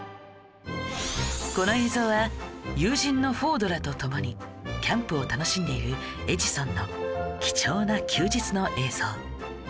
この映像は友人のフォードらと共にキャンプを楽しんでいるエジソンの貴重な休日の映像